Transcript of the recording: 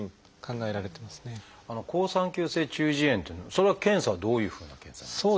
好酸球性中耳炎っていうのはそれは検査はどういうふうな検査なんですか？